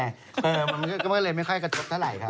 มันก็เลยไม่ค่อยกระทบเท่าไหร่ครับ